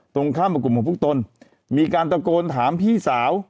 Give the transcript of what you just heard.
ตรงข้ามกับกลุ่มของพวกตนมีการตะโกนถามพี่สาว